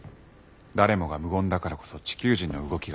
誰もが無言だからこそ地球人の動きが読めない。